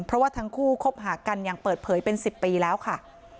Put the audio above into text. เพราะว่าทั้งคู่คบหากันอย่างเปิดเผยเป็น๑๐ปีแล้วค่ะ